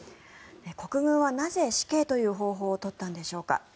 国軍はなぜ、死刑という方法を取ったのでしょうか。